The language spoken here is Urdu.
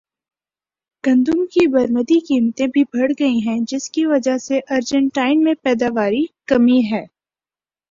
گندم کی برمدی قیمتیں بھی بڑھ گئیں جس کی وجہ سے ارجنٹائن میں پیداواری کمی ہے